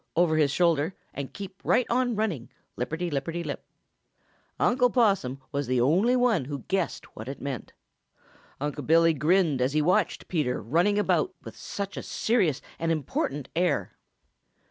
over his shoulder and keep right on running, lip perty lipperty lip. Unc' Possum was the only one who guessed what it meant. Unc' Billy grinned as he watched Peter running about with such a serious and important air.